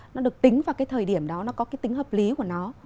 nó được tính vào cái thời điểm đó nó có cái tính hợp lý của nó